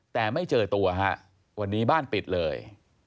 แต่ไม่เจอตัวฮะวันนี้บ้านปิดเลย